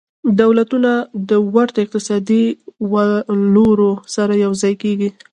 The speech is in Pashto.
دولتونه د ورته اقتصادي لورو سره یوځای کیږي